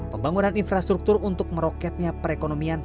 pembangunan infrastruktur untuk meroketnya perekonomian